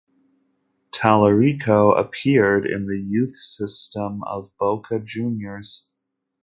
Tallarico appeared in the youth system of Boca Juniors.